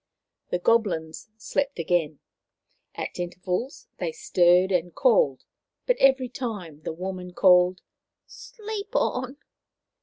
The Goblins slept again. At intervals they stirred and called, but every time the woman called, " Sleep on